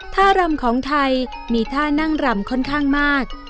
ท่ารำของไทยมีท่านั่งรำค่อนข้างมาก